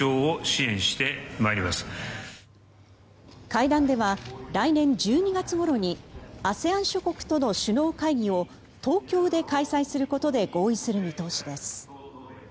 会談では来年１２月ごろにＡＳＥＡＮ諸国との首脳会議を東京で開催することで合意する見通しです。